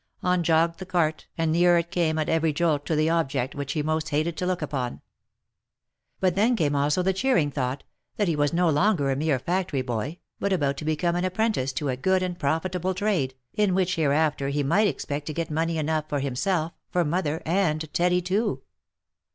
On jogged the cart, and nearer it came at every jolt to the object which he most hated to look upon. But then came also the cheering thought, that he was no longer a mere factory boy, but about to become an apprentice to a good and profitable trade, in which hereafter he might expect to get money enough for himself, for mother, and Teddy too